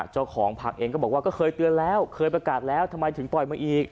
เจ้าของผักเองก็บอกว่าก็เคยเตือนแล้วเคยประกาศแล้วทำไมถึงปล่อยมาอีก